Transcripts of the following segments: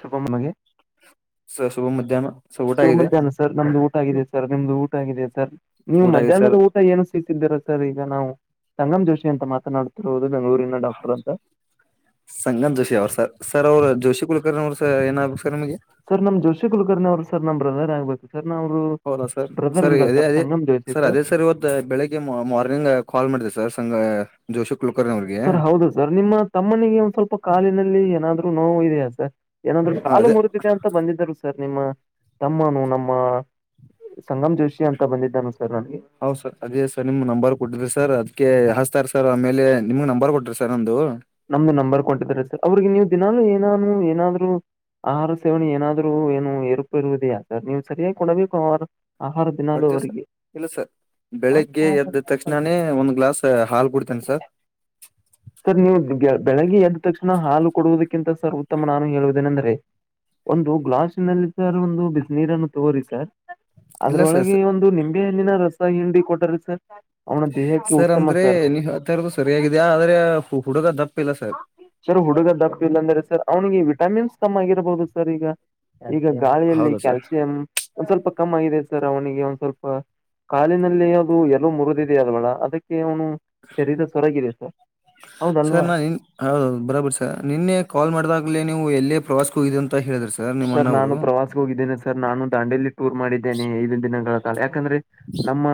ಶುಭ ನಮಗೆ ಸ ಶಭ ಮಧ್ಯಾಹ್ನ ಸರ್ ಊಟ ಆಗಿದೆ ಸುಮಲ್ಾನ ಸರ್ ನಮ್ದು ಊಟ ಆಗಿದೆ ಸರ್ ನಿಮ್ದು ಊಟ ಆಗಿದೆ ಸರ್ ನೀವು ಊಟ ಆಗಿದೆ ಮಧ್ಯಾಹ್ನದ ಸರ್ ಊಟ ಏನು ಸಿೀಿಸಿದ್ದೀರಾ ಸರ್ ಈಗ ನಾವು ಸಂಗಮ್ ಜೋಶಿ ಅಂತ ಮಾತನಾಡ್ತಿರೋದು ಸಂಗನ್ ಜೋಶಿ ಅವರು ಸರ್ ಸರ್ ಅವರು ಜೋಶಿ ಕುಲಕರ್ ಅವರು ಸ ಏನ ಸರ್ ನಮ್ ಜೋಶಿ ಕುಲಕರ್ಿ ಅವರುರ್ ನಮ್್ರೇ ಆಗ್ಬೇಕು ಸರ್ ನಾವರು ಹೌದಾ ಸರ್ ಬ್ರದರ್ ಸರ್ ಇಲ್ಲ ಅದೇ ಅದೇ ಸಂಗಮ್ ಜೋಶಿ ಸರ್ ಅದೇ ಸರ್ ಇವತ್ತು ಬೆಳಿಗ್ಗೆ ಮಾರ್ನಿಂಗ್ ಕಾಲ್ ಮಾಡಿದೆ ಸರ್ ಸಂಂಗ ಸರ್ ಹೌದು ಸರ್ ನಿಮ್ಮ ತಮ್ಮನಿಗೆ ಒಂದ್ ಸ್ವಲ್ಪ ಕಾಲಿನಲ್ಲಿ ಏನಾದ್ರು ನೋವು ಇದೆಯಾ ಸರ್ ಏನಂದ್ರು ಹಾ ಕಾಲು ಅದೇ ಮುರಿದಿದೆ ಅಂತ ಬಂದಿದರು ಸರ್ ನಿಮ್ಮ ತಮ್ಮನು ನಮ್ಮ ಸಂಗಮ್ ಜೋಷಿ ಅಂತ ಬಂದಿದ್ದಾನ ಹೌದ ಸರ್ ಅದೇ ಸರ್ ನಿಮ್ ನಂಬರ್ ಕೊಟ್ಟಿದ್ರಿ ಸರ್ ಅದ ಹಸ್ತಾರ ಸರ್ ಆಮೇಲೆ ನಿಮ್ಗ್ ನಂಬರ್ ಕೊಟ್ರ ಸರ್ ಒಂದು ನಮ್ದು ನಂಬರ್ ಕೊಟ್ಟಿದಿದ್ದಾರೆ ಅವ್ರಿಗೆ ನೀವು ದಿನಲುೂ ಏನಾನು ಏನಾದ್ರು ಆಹಾರ ಸೇವನೆ ಏನಾದ್ೂ ಏನು ಏರುಪ ಇರುವುದಯಾ ಸರ್ ನೀ್ ಸರಿಯಾಗಿ ಕೊಡಬೇಕು ಅವಾರ ಮಾಡಡ್ತೀವ ಸರ್ ಇಲ್ಲ ಸರ್ ಬೆಳಿಗ್ಗೆ ಎದ್ದ ತಕ್ಷಣಾನೇ ಒಂದ್ ಗ್ಲಾಸ್ ಹಾಲು ಕುಡ್ತೇನೆ ಸರ್ ಸರ್ ನೀವು ಬೆಳಗ್ಗೆ ಎದ್ದ ತಕ್ಷಣ ಹಾಲು ಕೊಡುವುದಕ್ಕಿಂತ ಸರ್ ಉತ್ತಮ ನಾನು ಹೇಳುವುದೇನೆ ಅಂದ್ರೆ ಒಂದು ಗ್ಲಾಸ್ಿನಲ್ಲಿ ಸರ್ ಒಂದು ಬಿಸ ನೀೀರನ್ನು ತಗೋರಿ ಸರ್ ಇಲ್ಲ ಸರ್ ಅದ್ರೊಳಗೆ ಒಂದು ನಿಂಬೆ ಹಣ್ಣಿನ ರಸ ಹಿಂಡಿ ಕೊಟರಿ ಸರ್ ಅವನ ದೇಹಕ್ಕೆ ಉತ್ತಮ ಅಂದ್ರೆ ಸರ್ ನೀವ್ ಹೇಳ್ತಾ ಇರೋದು ಸರಿಯಾಗಿದೆ ಆದ್ರೆ ಹುಡುಗ ದಪ್ಪ ಇಲ್ಲ ಸರ್ ಸರ್ ಹುಡುಗ ದಪ್ಪ ಇಲ್ಲಾಂದ್ರೆ ಸರ್ ಅವ್ನಿಗೆಟ್ಟ ವಿಟಮಿನ್ಸ್ ತಮ್ಮ ಆಗಿರಬಹುದು ಸರ್ ಈಗ ಈಗ ಗಾಳಿಯಲ್ಲಿ ಹೌದಾ ಸರ್ ಕ್ಯಾಲ್ಸಿಯಂ ಒಂದ ಸ್ವಲ್ಪ ಕಮ್ಮಾಗಿದೆ ಸರ್ ಅವನಿಗೆ ಒಂದ್ ಸ್ವಲ್ಪ ಕಾಲಿನಲ್ಲಿ ಅದು ಎಲ್ಲೋ ಮುರಿದಿದೆೆಯ ಅಲ್ವಳ ಅದಕ್ಕೆ ಅವನು ಶರೀರ ಸೊರಗಿದೆ ಸರ್ ಹೌದಲ್ವಾ ಸರ್ ನಾ ನಿನ್ ಹೌದೌದು ಬರಾಬರಿ ಸರ್ ನಿನ್ನೆ ಕಾಲ್ ಮಾಡಿದಾಗ್ಲೇ ನೀವು ಎಲ್ಲೇ ಪ್ರವಾಸಕ್ಕೂ ಇದೆ ಅಂತ ಹೇಳಿದ ಸರ್ ನಾನು ಪ್ರವಾಸ ಹೋಗಿದ್ದೇನೆ ಸರ್ ನಾನು ದಾಂಡೇಲಿ ಟೂರ್ ಮಾಡಿದ್ದೇನೆ ಐದು ದಿನಗಳ ಕಾಲ ಯ ಯಾಕಂದ್ರೆ ನಮ್ಮ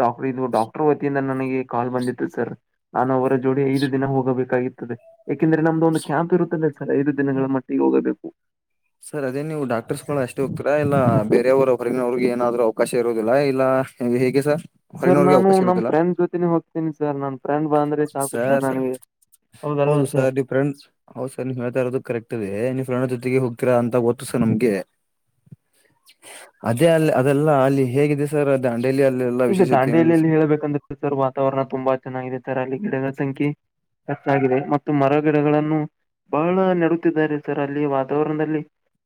ಡಾಕ್ಟರ್ ಇದು ಡಾಕ್ಟರ್ ವತಿಯಿಂದ ನನಗೆ ಕಾಲ್ ಬಂದಿತ್ತು ಸರ್ ನಾನು ಅವರ ಜೋಡಿ ಐದು ದಿನ ಹೋಗಬೇಕಾಗಿ ತದೆ ಯಾಕೆಂದ್ರೆ ನಮ್ದು ಒಂದು ಕ್ಯಾಂಪ್ ಇರುತ್ತಂದ್ರೆ ಸರ್ ಐದು ದಿನಗಳ ಮಟ್ಟಿಗೆ ಹೋಗಬೇಕು ಸರ್ ಅದೇ ನೀವು ಡಾಕ್ಟರ್ಸ್ಗಳು ಅಷ್ಟು ಹಕರಾ ಇಲ್ಲ ಬೇರೆಯವರು ಅವ್ರಗ ಅವ್ರಿಗೆ ಏನಾದ್ರು ಅವಕಾಶ ಇರದಿಲ್ಲ ಇಲ್ಲ ಹೇಗೆ ಸರ್ ಸರ್ ಹೊರಗಿನವ್ರಿಗೆ ನಾನು ಅವಕಾಶ ನಮ ಇರುದಿಲ್ಲ ಫ್ರೆಂಡ್ ಜೊತೆನೆ ಹೋಗ್ತೀನಿ ಸರ್ ನನ್ ಫ್ರೆಂಡ್ ಬಂದ್ರೆ ಸಾಕು ಸರ್ ನನಗೆ ಹೌದು ಸರ್ ನೀವು ಫ್ರಂಡ್ ಹೌದು ಸರ್ ನೀವು ಹೇಳ್ತಾ ಇರೋದು ಕರೆಕ್ಟ್ ಇದೆ ನೀವು ಫ್ರೆಂಡ್ ಜೊತೆಗೆ ಹೋಗ ರ ಅಂತ ಗೊತ್ತುಸ ನಮ್ಗೆ ಅದೇ ಅಲ್ಲಿ ಅದೆಲ್ಲ ಅಲ್ಲಿ ಹೇಗಿದೆ ಸರ್ ಅದ ಈಗ ದಾಂಡೇಲಲ್ಲಿ ಹೇಳೇಳ್ಬೇಕಂದ್ರೆ ಸರ್ ವಾತಾವರಣ ತುಂಬಾ ಚೆನ್ನಾಗಿದೆ ಸರ್ ಅಲ್ಲಿ ಗಿಡಗಳ ಸಂಖ್ಯೆ ಹೆಚ್ಚಾಗಿದೆ ಮತ್ತು ಮರಗಿಡಗಳನ್ನು ಬಹಳ ನೆಡುತ್ತಿದ್ದಾರೆ ಸರ್ ಅಲ್ಲಿ ವಾತಾವರಣದಲ್ಲಿ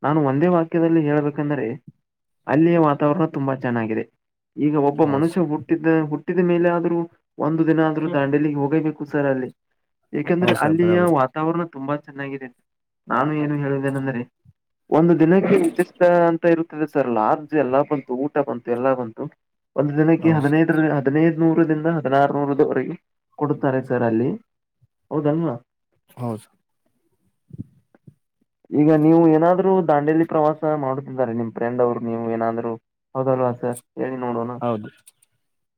ನಾನು ಒಂದೇ ವಾಕ್ಯದಲ್ಲಿ ಹೇಳ್ಬೇಕಂದ್ರೆ ಅಲ್ಲಿಯ ವಾತಾವರಣ ತುಂಬಾ ಚೆನ್ನಾಗಿದೆ ಈಗ ಒಬ್ಬ ಹೌದು ಮನುಷ್ಯ ಸರ್ ಹುಟ್ಟಿದ್ದ ಹುಟ್ಟ ಹಟ್ಟಿದ ಮೇಲೆ ಆದ್ರೂ ಒಂದು ದಿನ ಆದ್ರೂ ದಾಂಡಲಿ ಹೋಗೇಬೇಕು ಸರ್ ಅಲ್ಲಿ ಯಾಕಂದ್ರೆ ಹೌದು ಸರ್ ಅಲ್ಲಿಯ ಬರಾಬರಿ ವಾತಾವರಣ ತುಂಬಾ ಚೆನ್ನಾಗಿದೆ ನಾನು ಏನು ಹೇಳಿದ್ದೇನೆಂದ್ರೆ ಒಂದು ದಿನಕ್ಕೆ ವಿಶಿಷ್ಟ ಅಂತ ಇರುತ್ತದೆ ಸರ್ ಲಾರ್ಜ್ ಎಲ್ಲಾ ಬಂತು ಊಟ ಬಂತು ಎಲ್ಲಾ ಬಂತು ಒಂದು್ ದಿನಕ್ಕೆ ಹೌದು ಸರ್ ಹದಿನೈದು ಹದಿನೈದು ಹದ ನೂರ ದಿಂದ ಹದಿನಾರ ನೂರದವರೆಗೆ ಕೊಡುತ್ತಾರೆ ಸರ್ ಅಲ್ಲಿ ಹೌದಲ್ವಾ ಹೌದು ಈಗ ನೀವು ಏನಾದ್ದಾಂಡೇಲಿ ಪ್ರವಾಸ ಮಾಡುತ್ತಿದ್ದಾರೆ ನಿಮ್ ಫ್ರೆಂಡ್ ಅವ್ರು ನೀವು ಏನಾದ್ ಹದ ಹೇಳಿ ನೋಡೋಣ ಹೌದು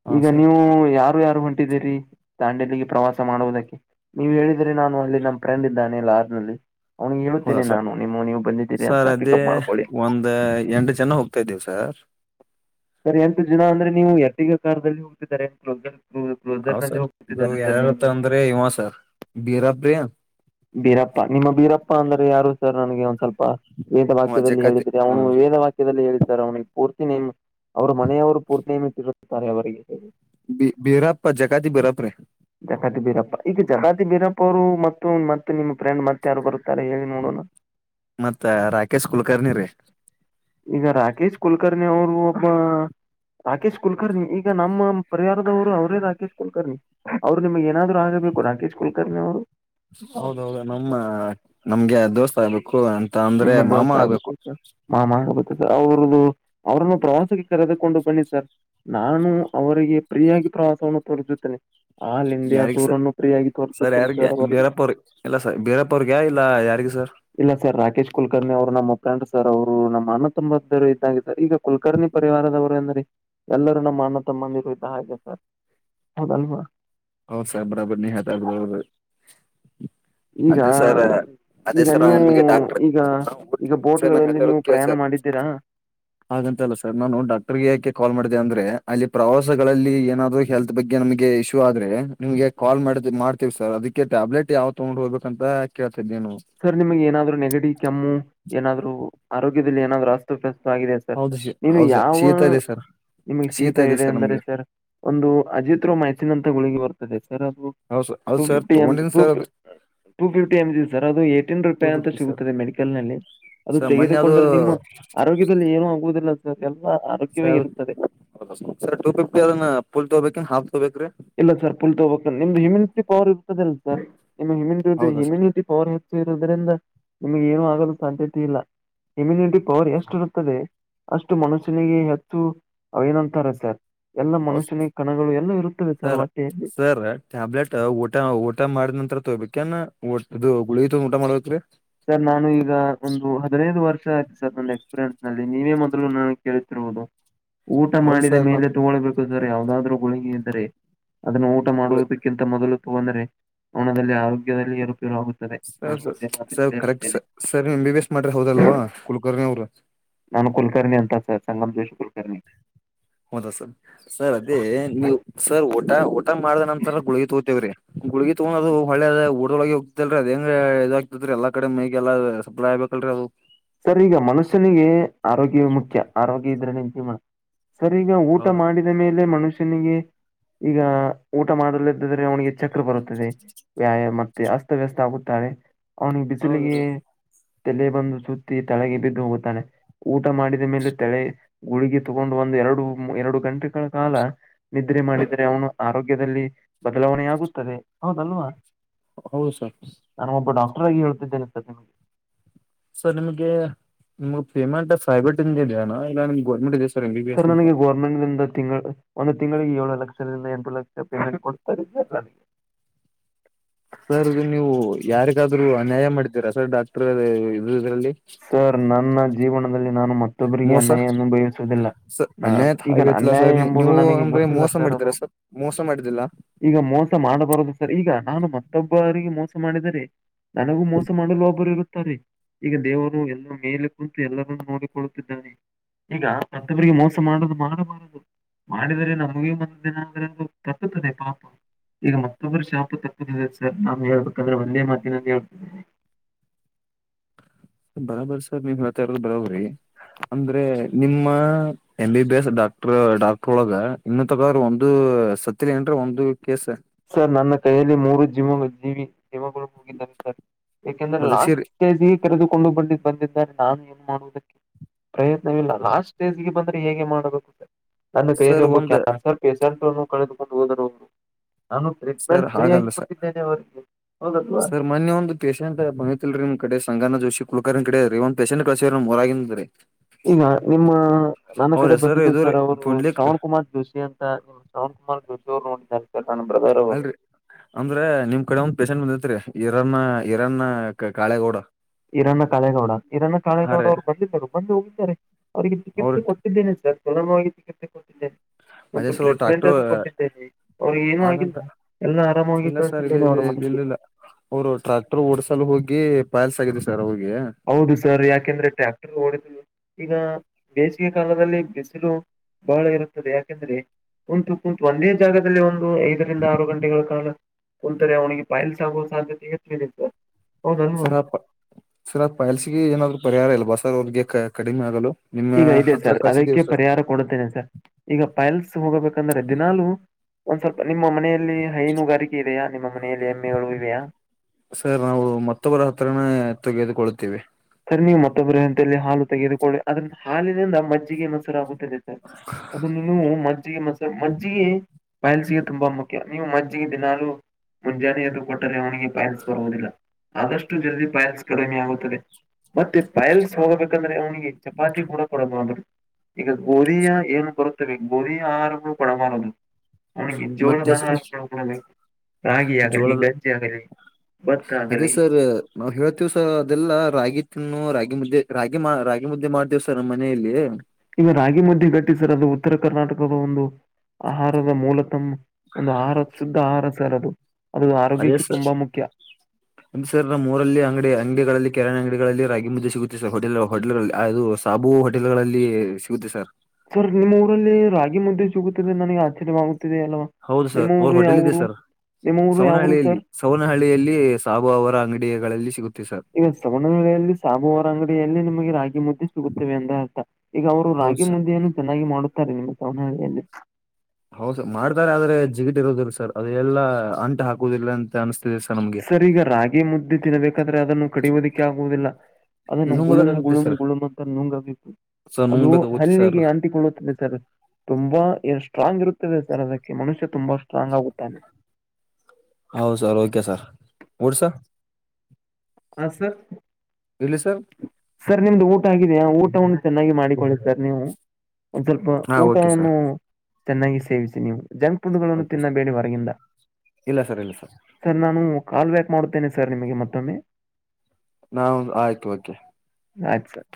ಹಾ ಈಗ ಸರ್ ನೀವು ಯ ಯಾರು ಹೊಂಟಿದೀರಿ ದಾಂಡೆಲಿಗೆ ಪ್ರವಾಸ ಮಾಡುವುದಕ್ಕೆ ನೀವು ಹೇಳ ನಾನು ಅಲ್ಲಿ ನಮ್ಮ ಫ್ರೆಂಡ್ನೆ ಲಾರ್ನಲ್ಲಿ ಅವ್ನ ಹೌದಾ ಹೇಳುತ್ತೇನೆ ಸರ್ ನಾನು ನಿಮ್ಮ ನೀವು ಬಂದಿದ್ದೀರಿ ಸರ್ ಅಂತ ಅದೇ ಪಿಕಪ್ ಮಾಡ್ಕೊಳ್ಳಿ ಒಂದ್ ಎಂಟು ಜನ ಹೋಗ್ತಾ ಇದ್ದೀವಿ ಸರ್ ಸರಿ ಎಂತು ಜನ ಅಂದ್ರೆ ನೀವು ಎಡುಗ ಕಾರ್ಲ್ಲಿ ಹೋಗ್ತಿದ್ದಾರೆ ಎಂತ ಹೌ ಸರ್ ಇದು ಯಾರ್ಯಾರತ್ತ ಹೇಳಿದರೆ. ಅಂದ್ರೆ ಇವ ಸರ್ ಬೀರಾಬ್ರಿ ಬೀರಪ್ಪ ನಿಮ್ಮ ಬೀರಪ್ಪ ಅಂದ್ರ ಯಾರು ಸರ್ ನನಗೆ ಒಂದ್ ಸ್ವಲ್ಪ ವೇದ ಅವ ವಾಕ್ಯದಲ್ಲಿ ಜಕಾತಿ ಹೇಳಿದ್ರೆ ಹ ಅವನು ವೇದ ವಾಕ್ಯದಲ್ಲಿ ಹೇಳಿದ್ದಾರೆ ಅವನಿಗೆ ಪೂರ್ತಿ ನಿಮ್ ಅವ್ರ ಮನೆಯವರು ಪೂರ್ತಿಯ ಮಟ್ಟ ಇರುತ್ತಾರೆ ಅವರಿಗೆ ಬಿರಪ್ ಜಗಾತಿ ಬಿರಪ ರ ಜಗತಿ ಬೀರಪ್ಪ ಈಗ ಜಕಾತಿ ಬೀರಪ್ಪ ಅವರು ಮತ್ತು ಮತ್ತೆ ನಿಮ್ಮ ಫ್ರೆಂಡ್ ಮತ್ತ ಯಾರು ಬರುತ್ತಾರೆ ಹೇಳಿ ನೋಡೋಣ ಮತ್ತ ರಾಕೇಶ್ ಕುಲಕರ್ಣಿ ರೀ ಈಗ ರಾಕೇಶ ಕುಲ್ಕರ್ಣಿ ಅವರು ರಾಕೇಶ್ ಕುಲ್ಕರ್ಣಿ ಈಗ ನಮ್ಮ ಪರಿಹಾರದವರು ಅವರೇ ರಾಕೇಶ್ ಕುಲ್ಕರ್ಣಿ ಅವ್ರು ನಿಮ್ಗ್ ಏನಾದ್ರು ಆಗಬೇಕು ರಾಕೇಶ್ ಕುಲ್ಕರ್ಣಿ ಅವರು ಹೌದೌದು ನಮ್ಮ ನಮ್ಗೆ ದೋಸ್ತ ಅ ನಿಮ್ಮ ದೋಸ ಆಗ್ ಮಾಮ ಆಬ ಅವ್ರದು ಅವ್ರನ್ನು ಪ್ರವಾಸಕ್ಕೆ ಕರೆದುಕೊಂಡು ಬನ್ನಿ ಸರ್ ನಾನು ಅವರಿಗೆ ಪ್ರಿಯಾಗಿ ಕ್ರಾಾಸ ಹ ತುರ್ ಜೊತ್ತನೆ ಆಲ್ ಇಂಡಿಯಾ ಯಾರಿಗ್ ಸ ಟೂರ್ ಅನ್ನು ಫ್ರೀಯಗಿ ತೋರಿಸುತ್ತೇನೆ ಯಾರಿಗೆ ಸರ್ ಅವರ್ರಿಗೆ ಬೀರಪ್ಪ ಅವ್ರಿಗೆ ಇಲ್ಲ ಸರ್ ಬೀರಪ್ಪ ಅವ್ರಿಗೆ ಇಲ್ಲ ಯಾರಿಗೆ ಸರ್ ಇಲ್ಲ ಸರ್ ರಾಕೇಶ್ ಕುಲ್ಕರ್ಣಿ ಅವರು ನಮ್ಮಫಂಡ್ ಸರ್ ಅವ್ರು ನಮ್ಮ ಅಣ್ಣ ತುಂಬದ್ದರು ಇದ್ದಾಗ ಸರ್ ಈಗ ಕುಲಕರ್ಣಿ ಪರಿವಾರದವರು ಎಂದೀ ಎಲ್ಲರೂ ನಮ್ಮ ಅನ್ನ ತಮ್ಮಂದಿರುದ ಹಾಗೆ ಸರ್ ಹೌದಲ್ವಾ ಹೌ ಸರ್ ಬರಾಬರಿ ನೀ ಹತಾಡ್ವರು ಈಗ ಅದೇ ಸರ್ ಅದೇ ಈಗ ಸರ್ ನೀವು ನಿಮಗೆ ಡಾಕ್ಟರ್ ಈಗ ಈಗ ಬೋಟ್ಗಳಲ್ಲಿ ಹೇಳ್ತರದ ನೀವು ಕ ಪ್ರಯಾಣ ಸರ್ ಮಾಡಿದ್ದೀರಾ ಹಾಗಂತಲ್ಲ ಸರ್ ನಾನು ಡಾಕ್ಟರ್ಗೆ ಯಾಕೆ ಕಾಲ್ ಮಾಡಿದೆ ಅಂದ್ರೆ ಅಲ್ಲಿ ಪ್ರವಾಸಗಳಲ್ಲಿ ಏನಾದಹೆಲ್ತ್ ಬಗ್ಗೆ ನಮಗೆ ಇಶ್ಯೂ ಆ ಅ್ರ ನಿಮ್ಗೆ ಕಾಲ್ ಮಾಡ ಮಾಡ್ತಿವ್ ಸರ್ ಅದಕ್ಕೆ ಟ್ಯಾಬ್ಲೆಟ್ ಯಾವ್ ತೊಗೊಂಡ್ ಹೋಗ್ಬೇಕ ಅಂತ ಕ ಸರ್ ನಿಮ್ಗೆ ಏನಾದ್ರು ನೆಗಡಿ ಕೆಮ್ಮು ಏನಾದ್ರು ಆರೋಗ್ಯದಲ್ಲಿ ಏನಾದ್ರು ಅಸ್ತೋಪ್ಯಸ್ ಸರ್ ಹೌದು ಶೀ ನೀನು ಹೌದು ಸರ್ ಯಾವ ಶೀತ ಇದೆ ಸರ್ ನಿಮಗ್ ಶೀತ ಇದೆ ಅಂದ್ರೆ ಸರ್ ಒಂದು ಅಜಿತ್ ರೋಮ್ಮ ಹೆಚ್ಚಿನಂತ ಗುಳಗಿ ಬರ್ತಾರೆ ಸರ್ ಅದು ಹೌದು ಸರ್ ಟು ಹೌದು ಸರ್ ಫಿಫ್ಟಿ ಎ ತಗೊಂಡಿನಿ ಸರ್ ಅದು ಟು ಫಿಫ್ಟಿ ಎಮ್ ದು ಏಟಿನ್ ಟೂ ರೂಪಾಯಿ ಅಂತ ಫಿಫ್ಟಿ ಸರ್ ಸಿಗುತ್ತದೆ ಮೆಡಿಕಲ್ ನಲ್ಲಿ ಅದು ಸರ್ ಮೊನ್ನೆ ಅದು ತೆಗೆದುಕೊಂಡ್ರೆ ನಿಮ್ಮ ಆರೋಗ್ಯದಲ್ಲಿ ಏನ ಆಗ ಸರ್ ಸರ್ ಟು ಫಿಫ್ಟಿ ಅವನ್ನ ಪುಲ್ ತಗಬೇಕ ಹಾಫ್ ತಗೋಬೇಕ್ರಿ ಇಲ್ಲ ಸರ್ ಪುಲ್ ತಗಬೇಕ ನಿಮ್ದು ಹ್ಯಮ್ಯಿನಿಟಿ ಪವರ್ ಇರ್ತದಲ್ಲ ಸರ್ ನಿಮ ಹಮಟಿ ಹೌದಾ ಸರ್ ಹಿಮ್ಯುನಿಟಿ ಪವರ್ ಹೆಚ್ಚು ಇರುದ್ರರಿದ ನಿಮಗೆ ಏನು ಆಗಲು ಸಾಧ್ಯತೆ ಇಲ್ಲ ಇಮ್ಯುನಿಟಿ ಪವರ್ ಎಷ್ಟು ಇರುತ್ತದೆ ಅಷ್ಟು ಮನುಷ್ಯನಿಗೆ ಹೆಚ್ಚು ನಂತರ ಸರ್ ಎಲ್ಲ ಹೌದು ಮನುಷ್ಯನಿಗೆ ಕಣಗಳು ಎಲ್ಲ ಇರುತ್ತವೆ ಸರ್ ಸರ್ ಟ್ಯಾಬ್ಲೆಟ್ ಊಟ ಊಟ ಮಾಡಿದ ನಂತತ್ರ ತೊಬೇಕ ನ್ ಒಟ್ ಇದು ಗುಳಿ ಊಟ ಮಾಡಬೇಕ ರೀ ಸರ್ ನಾನು ಈಗ ಒಂದು ಹದಿನೈದು ವರ್ಷ ಆಯ್ತು ಸರ್ ನನ್ನ ಎಕ್ಸ್ಪೀರಿಯನ್ಸ್ ನಲ್ಲಿ ನೀವೇ ಮೊದ್ಲು ನ ಕೇಳರ ಊಟ ಹೌದು ಮಾಡಿದ ಸರ್ ಮೇಲೆ ತಗೊಳ್ಬೇಕು ಸರ್ ಯಾವದಾದ್ರು ಗುಳಿಗೆ ಇದ್ದರೆ ಅದನ್ನು ಊಟ ನಾ ಮಾಡುವುದಕ್ಕಿಂತ ಮೊದಲು ತು ಅಂದ್ರೆ ಹಣದಲ್ಲಿ ಆರೋಗ್ಯದಲ್ಲಿ ಇರುತ್ತ ಶುರು ಆುತ್ತದೆ ಸರ್ ನಾನು ಸರ್ ಒ ಸರ್ ಕರೆಕ್ಟ್ ಸ ಸರ್ ನೀವು ಎಂ ಬಿ ಎಸ್ ಮಾಡ್ರೆ ಹೌದಲ್ವಾ ಕುಲಕರ್ಣಿ ಅವ್ರು ಸಂಗಮದ ಶುಕುರ್ಕಿ ಹೌದಾ ಸರ್ ಸರ್ ಅದೇ ನೀವು ಸರ್ ಊಟ ಊಟ ಮಾಡದ ನಂತರ ಗುಳಗ ತೋತೇವ್ರಿ ಗುಳಗಿ ತಗೋದುಳ್ಳದ ಊದೊಳಗೆ ಹೋಗ್ತಲ್ರಿ ಅದ ಹೆಂಗ ಇದಾಗಗ್ತತ್ರಿ ಎಲ್ಲ ಕ ಮೈಗೆಲ್ಲ ಸಪ್ಲೈ ಆಗ್ಬೇಕ ರು [unintelligible] ಸರ್ ಈಗ ಮನುಷ್ಯನಿಗೆ ಆರೋಗ್ಯವ ಮುಖ್ಯ ಆರೋಗ್ಯ ಇದ್ರೆ ನಿಮಂತ ಮಾಡ ಸರಿ ಈಗ ಊಟ ಹೌದು ಮಾಡಿದ ಮೇಲೆ ಮನುಷ್ಯನಿಗೆ ಈಗ ಊಟ ಮಾಡಲ್ದಿದ್ರೆ ಅವನಿಗೆ ಚಕ್ರ ಬರುತ್ತದೆ ವ್ಯಾಯಾಮ ಮತ್ತೆ ಅಸ್ತವ್ಯಸ್ತ ಆಗುತ್ತಾಳೆ ಅವ್ನಿಗೆ ಬಿಸಿಲಿಗೆ ಹೌದ್ರಿ ತಲೆ ಬಂದು ಸುತ್ತ ತಲೆಗೆ ಬಿದ್ದು ಹೋಗುತ್ತಾನೆ ಊಟ ಮಾಡಿದ ಮೇಲೆ ತಲೆ ಗುಳಿಗೆ ತಗೊಂಡು ಒಂದು ಎರಡು ಎರಡು ಕ ಗಂಟೆಗಳ ಕಾಲ ನಿದ್ರೆ ಮಾಡಿದ್ರೆ ಅವನು ಆರೋಗ್ಯದಲ್ಲಿ ಬದಲಾವಣೆ ಆಗುತ್ತದೆ ಹೌದಲ್ವಾ ಹೌ ಸರ್ ನಾನು ಒಬ್ಬ ಡಾಕ್ಟರ್ ಹೇಳ್ತಿದ್ದೇನೆ ಸ ನಿಮಗೆ ಸರ್ ನಿಮಗೆ ನಿಮ ಫೇಮಂೈಬಟ್ ಇಂಜನ್ ಇಲ್ಲ ನಿಮ ಗೋರ್ೆಂಟ್ ಸರ್ ನನಗೆ ಗೌರ್ಮೆಂಟ್ನಿಂದ ತಿಂಗಳು ಒಂದು ತಿಂಗಳಿಗೆ ಏಳು ಲಕ್ಷದಿಂದ ಎಂಟರು ಲಕ್ಷ ಪೇಮೆಂಟ್ ಕೊಡ್ತಲ್ಲಗೆ ಸರ್ ಇದು ನೀವು ಯಾರಿಗಾದ್ೂ ಅನ್ಯಾಯ ಮಾಡ್ತೀರಾ ಸರ್ ಡಾಕ್ಟರ್ ಇದ್ರಲ್ಲಿ ಸರ್ ನನ್ನ ಜೀವನದಲ್ಲಿ ನಾನು ಮತ್ತೊಬ್ಬರಿಗೆ ಅನ್ಯಾಯ ಅಭಯಿಸುವುದಿಲ್ಲ ಸ ನಾ ಅನ್ಯತ್ ಈಗ ಆಗೈತ್ಲಾ ಸರ್ ನೀ ನೀವು ನನಗೆ ನಮಗೆ ಗೊತ್ತಿಲ್ಲ ಮೋಸ ಸರ್ ಅದು ಮಾಡಿದೀರ ಸ ಮೋಸ ಮಾಡಿದ್ದಿಲ್ಲ ಈಗ ಮೋಸ ಮಾಡಬಾರದು ಸರ್ ಈಗ ನಾನು ಮ ಒಟ್ಟೊಬ್ಬ ಅವರಿಗೆ ಮೋಸ ಮಾಡಿದರೆ ನನಗೂ ಮೋಸ ಮಾಡಲು ಒಬ್ಬರು ಇರುತ್ತಾರೆ ಈಗ ದೇವರು ಅವರು ಎಲ್ಲ ಮೇಲೆ ಕುಂತು ಎಲ್ಲರನ್ನೂ ನೋಡಿಕೊಳ್ಳುತ್ತಿದ್ದಾನೆ ಈಗ ಮತ್ತೊಬರಿಗೆ ಮೋಸ ಮಾಡದು ಮಾಡಬಾರದು ಮಾಡಿದ್ರೆ ನಮ್ಮ ಮುಗಿ ಬಂದ ದಿನ ಅ್ರೆಂದು ತಕದೆ ಪಾಪ ಈಗ ಮತ್ತೊಬ್ಬರು ಶಾಪು ತಪ್ಪದ ಸರ್ ನಾನು ಹೇಳ್ಬೇಕಂದ್ರೆ ಒಂದೇ ಮಾತಿನಾನ ಹೇಳ್ತೇನೆ ಬರಾಬರಿ ಸರ್ ನೀವ್ ಹೇಳ್ತಾರದ ಬರಬ್ರರಿ ಅಂದ್ರೆ ನಿಮ್ಮ M B B S doctor doctor ಒಳಗ ಇನ್ನ ತಗಾದ್ರರು ಒಂದು ಸತ್ಯಲ ಅಂದ್ರೆ ಒಂದು ಕೇಸ್ ಸರ್ ನನ್ನ ಕೈಯಲ್ಲಿ ಮೂರು ಜಿಮುಗಳ ಜೀವಿ ದೇಮಳ ಹೋಗಿದ್ದಾರೆ ಸರ್ ಯಾಕೆಂದ್ರೆ ಲಾಸ್ಟ್ ಬದಕ್ಸಿರಿ ಕೇಜ ಕರೆದುಕೊಂಡು ಬಂದಿದ್ದ ಬಂದಿದ್ದಾರೆ ನಾನು ಏನ್ ಮಾಡುವುದಕ್ಕೆ ಪ್ರಯತ್ನವಿಲ್ಲ ಲಾಸ್ಟ್ ಸ್ಟೇಜ್ಗೆ ಬಂದ್ರೆ ಹೇಗೆ ಮಾಡಬೇಕು ಸರ್ ನನ್ನ ಕೈಯಲ್ಲಿ ಸರ್ ಒಬ್ಬ ಒಂದ್ ಕ್ಯಾನ್ಸರ್ ಪೇಷಂಟನ್ನು ಕಳೆದುಕೊಂಡು ಹೋದರವರು ಸರ್ ಹಾಗಲ್ಲ ಸ ಅವರಿಗೆ ಹೌದಲ್ವಾ ಸರ್ ಮೊನ್ನೆ ಒಂದು ಪೇಶೆಂಟ್ ಬಂಗತಿಲ್ರಿ ನಿಮ್ ಕಡೆ ಸಂಗನ ಜೋಶಿ ಕುಲಕರ್ನ್ ಕಡೆ ರೀ ಒಂದ ಪೆಂಟ್ ಕಸೋರಂದ್ರೀ ಈಗ ನಿಮ್ಮ ನನ್ನ ಕಡೆ ಹೆಸರು ಬಂದಿದ್ದು ಇದು ರೀ ಸರ್ ಅವರು ಪುಂಡ್ಲಿಕ್ ಶ್ರಾವಣ್ ಕುಮಾರ್ ಜೋಶಿ ಅಂತ ನಿಮ್ಮ ಶ್ರಾವಣ ಮ ಜೋರುೋಿ ಅಲ್ರರಿ ಅಂದ್ರ ನಿಮ್ ಕಡೆ ಒಂದ್ ಪೇೇಶೆಂಟ್ ಬಂದೇತ್ರಿ ಇರಣನ್ನ ಇರಣನ್ನ್ಣ ಕಾಳೇಗೌಡ ಇರಣ್ಣ ಕಾಳೇಗೌಡ ಇರಣ್ಣ ಹಾ ಕಾಳೇಗೌಡ ರೀ ಅವ್ರು ಬಂದಿದ್ದರು ಬಂದು ಹೋಗಿದ್ದಾರೆ ಅವ್ರರಿಗೆ ಅವ್ರ ಚಿಕಿತ್ಸೆ ಕೊಟ್ಟಿದ್ದೇನೆ ಲಮವಾಗಿ ಚಿಕಿತ್ಸೆ ಕೊಟ್ಟಿದ್ದೇನೆ ಅದೇ ಒಂದು ಸರ್ ಟ್ರೀಟ್ಮೆಂಟ್ ಟ್ರ್ಯಾಕ್ಟರ್ ಅನ್ನು ಕೊಟ್ಟಿದ್ದೇನೆ ಅವ್ರ ಏನುೂ ಆಗಿಲ್ಲ ಹಾಗಂತ ಎಲ್ಲ ಆರಾಮಾಗಿ ಇಲ್ಲ ಸರ್ ಇಲ್ಲ ಕಳ್ತಿದ್ದೇನೆ ಅವರ ಮನೆಗೆ ಇಲ್ಲಿಲ್ಲ ಅವರು ಟ್ರ್ಯಾಕ್ಟರ್ ಓಡ್ಸಲು ಹೋಗಿ ಪಾಯಲ್ಸ್ ಆಗ ಸರ್ ಅವ ಹೌದು ಸರ್ ಯಾಕೆಂದ್ರೆ ಟ್ರ್ಯಾಕ್ಟರ್ ಓಡಿದ್ ಈಗ ಬೇಸಿಗೆ ಕಾಲದಲ್ಲಿ ಬಿಸಿಲು ಬಹಳ ಇರುತ್ತದೆ ಯಾಕೆಂದ್ರೆ ಕುಂಂತು ಕುು ಒಂದೇ ಜಾಗದಲ್ಲಿ ಒಂದು ಐದರಿಂದ ಆರು ಗಂಟೆಗಳ ಕಾಲ ಕುಂತರೆ ಅವನಿಗೆ ಪಾಯಲ್ಸಾಗುವ ಸಾಧ್ಯತೆೆಯತ್ತು ಸರ್ ಆ ಸರ್ ಆ ಪೈಲ್ಸಿಗೆ ಏನಾದ್ರು ಪರಿಹಾರ ಇಲ್ವಾ ಸರ್ ಅವ್ರಿಗೆ ಕಡಿಮೆ ಆಗಲು ನಿಮ್ಮ ಈಗ ಇದೆ ಹತ್ರ ಸರ್ ಅದಕ್ಕೆ ಕಳ್ಸಿದೀವಿ ಸರ್ ಪರಿಹಾರ ಕೊಡುತ್ತೇನೆ ಸರ್ ಈಗ ಪೈಲ್ಸ್ ಹೋಗಬೇಕಂದ್ರೆ ದಿನಾಲು ನಿಮ್ಮ ಮನೆಯಲ್ಲಿ ಹೈನುಗಾರಿಕೆ ಇದೆಯಾ ನಿಮ್ಮ ಮನೆಯಲ್ಲಿ ಎಮ್ಮೆಗಳು ಇದೆಯಾ ಹ ಮತ್ತೊಬ್ಬರ ಹತ್ರನ ತೆಗೆದುಕೊೊಳ್ಳುತ್ತೀವಿ ಸರಿ ನೀವು ಮತ್ತೊಬ್ಬ ಅಂತಲ್ಲಿ ಹಾಲು ತೆಗೆದುಕೊಳ್ಳಿ ಅದ್ರ ಹಾಲಿನಿಂದ ಮಜ್ಜಿಗೆ ಮಸರಾಗುತ್ತೆ ಅದು ಮ ಜ್ಜಿಗೆ ಮಸ ಮಜ್ಜಿಗೆ ಬಯಲ್ಸಿಗೆ ತುಂಬಾ ಮುಖ್ಯ ನೀವು ಮಜ್ಜಿಗೆ ದಿನಾಲುು ಮುಂಜಾನೆದುರು ಕೊಟ್ಟರೆ ಅವಿಗೆ ಪಲ್ಸ್ ಬರುವುದಿಲ್ಲ ಆದಷ್ಟು ಜಲ್ಫೈಲ್ಸ್ ಕಡಿಮೆ ಆಗುತ್ತದೆ ಮತ್ತೆ ಬಯಲ್ಸ್ ಹೋಗಬೇಕಂದ್ರೆ ಅವ್ನಿಗೆ ಚಪಾತಿ ಕೂಡ ಕೊಡಬ ಅರು ಈಗ ಗೋಧಿಯ ಏನು ಬರುತ್ತವೆ ಗೋಧಿಯ ಆರಂಭ ಕೊಡಬಾರದು ನ ಜೋಳದ ಮತ್ತೆ ರಾಗಿ ಆಗಲಿ ಜೋಳದ ಗಂಜಿ ಆಗಲಿ ಭತ್ತ ಅದೇ ಆಗಲಿ ಸರ್ ನಾವ್ ಹೇಳತೀವಿ ಸರ ಅದೆಲ್ಲಾ ರಾಗಿ ನ್ನು ರಾಗಿ ಮುದ್ದೆ ರಾಗಿ ಮಾ ರಾಗಿ ಮುದ್ದೆ ಮಾಡ್ತೇವ ಸರ್ ನಮ್ಮ ಮನೆಯಲ್ಲಿ ಇನ್ನು ರಾಗಿ ಮುದ್ದೆ ಗಟ್ಟಿಸರ್ ಅದು ಉತ್ತರ ಕರ್ನಾಟಕದ ಒಂದು ಆಹಾರದ ಮೂಲತಮ್ಮ ಒಂದು ಆಹಾರ ಶುದ್ಧ ಆಹಾರ ಸರ್ ಅದು ಅದು ಅದೇ ಆರೋಗ್ಯಕ್ಕೆ ತುಂಬಾ ಮುಖ್ಯ ಸರ್ ನಮ್ಮೂರ ಸರ್ ಕಿರೆಣ್ ಅಂಗಡಿಗಳಲ್ಲ ಕಿರಾಣಿ ಅಂಗಡಿ ಗಳಲ್ಲಿ ರಾಗಿ ಮುದ್ದೆ ಸಿಗುತ್ತೆ ಸರ್ ಹೋಟೆಲ್ ಹೋಟೆಲ್ಗಳಲ್ಲಿ ಅದು ಸಾಬು ಹೋಟೆಲ್ಗಳಲ್ಲಿ ಸಿಗುತ್ತೆ ಸರ್ ಸರ್ ನಿಮ್ಮ ಊರಲ್ಲಿ ರಾಗಿ ಮುದ್ದೆ ಚುಗಿದೆ ನನಗೆ ಆಚ್ಚರವಾಗುತ್ತಿದೆ ಅಲ್ವಾ ಹೌದು ಸರ್ ನಿಮ್ಮ ಅವ್ರ ಊರು ಯಾವ ಹೋಟೆಲ್ ಇದೆ ಊರು ಸರ್ ನಿಮ್ಮ ಊರು ಯಾವರು ಸರ್ ಲ್ಲಿ ಸಾಬು ಅವರ ಅಂಗಡಿಗಳಲ್ಲಿ ಸಿಗು ಈಗ ಸವಣ್ಣ ವೇಳೆಯಲ್ಲಿ ಸಾಂಬುವಾರ ಅಂಗಡಿಯಲ್ಲಿ ನಿಮಗೆ ರಾಗಿ ಮುದ್ದೆ ಸಿಗುತ್ತವೆ ಅಂದ ಅರ್ಥ ಈಗ ಅವರು ಹೌದು ರಾಗಿ ಸರ್ ಮುದ್ದೆಯನ್ನು ಚೆನ್ನಾಗಿ ಮಾಡುತ್ತಾರೆ ನಿಮ್ಮ ಸವನಹಳ್ಳಿಯಲ್ಲಿ ಹೌದಸರ್ ಮಾಡ್ತಾರೆ ಆದ್ರೆ ಜಿಗಿಟ ಇರುದಿಲ್ಲಾ ಸರ್ ಅದೆಲ್ಲಾ ಅಂಟ ಹಾಕುದಿಲ್ಲ ಅಂತ ಅನ್ಸ್ತ ಸರ್ ಈಗ ರಾಗಿ ಮುದ್ದೆ ತಿನ್ಬೇಕಾದ್ರೆ ಅದನ್ನು ಕಡಿಯೋದಕ್ಕೆ ಆಗುವುದಿಲ್ಲ ಅದನ್ನು ಗುಳಂ ನುಂಗಬೇಕಾಗುತ್ತೆ ಗುಳುಂ ಸರ್ ಗುಳಂ ಅಂತ ನುಂಗಬೇಕು ಸರ್ ಅದು ನುಂಗ್ಬೇಕಾಗುತ್ತೆ ಸರ್ ಹಲ್ಲಿಗೆ ಅಂಟಿಕೊಳ್ಳುತ್ತದೆ ಸರ್ ತುಂಬಾ ಎಷ್ಟ ಸ್ಟ್ರಾಂಗ್ ಇರುತ್ತದೆ ಸರ್ ಅದಕ್ಕೆ ಮನುಷ್ಯ ತುಂಬಾ ಸ್ಟ್ರಾಂಗ್ ಆಗುತ್ತಾನೆ ಹೌದ ಸರ್ ಓಕೆ ಸರ್ ಊಟ ಸರ್ ಹ ಸರ್ ಇಲ್ಲಿ ಸರ್ ಸರ್ ನಿಮ್ದು ಊಟ ಆಗೇತಿ ಊಟವನ್ನು ಚೆನ್ನಾಗಿ ಮಾಡಿಕೊಳ್ಳುತ್ತಾರೆ ನೀವು ಒಂದ್ ಸ್ವಲ್ಪ ಹಾ ಓಕೆ ಸರ್ ಊಟವನ್ನು ಚೆನ್ನಾಗಿ ಸೇವಿಸಿ ನೀವು ಜಂಕ್ ಫುಂಡಗಳನ್ನು ಓಕೆ ಸರ್ ತಿನ್ನಬೇಡಿ ಹೊರಗಿಂದ ಇಲ್ಲ ಸರ್ ಇಲ್ಲ ಸರ್ ನಾನು ಕಾಲ್ ಬ್ಯಾಕ್ ಮಾಡೋಡ್ತೇನೆ ಸರ್ ನಿಮಗೆ ಮತ್ತೊಮ್ಮೆ ನಾ ಆಯ್ತು ಕೆ ಆಯಿತ ಸರ್